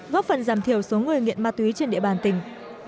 góp phần giảm thiểu số người nghiện ma túy trên địa bàn tỉnh